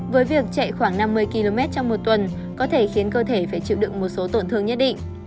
với việc chạy khoảng năm mươi km trong một tuần có thể khiến cơ thể phải chịu đựng một số tổn thương nhất định